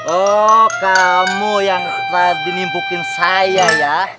oh kamu yang ngebukin saya ya